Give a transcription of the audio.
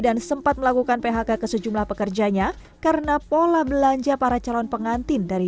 dan sempat melakukan phk sejumlah pekerjanya karena pola belanja para calon pengantin dari